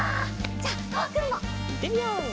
じゃとわくんも。いってみよう！